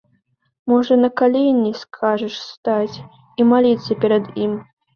Можа, на калені скажаш стаць і маліцца перад ім?